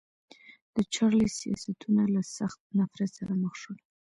د چارلېز سیاستونه له سخت نفرت سره مخ شول.